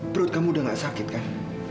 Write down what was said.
perut kamu udah gak sakit kan